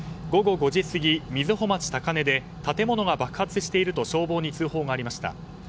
午後５時過ぎ瑞穂町で建物が爆発していると消防に通報がありました。